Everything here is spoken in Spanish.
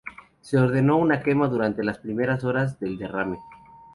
Se ordenó una quema durante las primeras horas del derrame.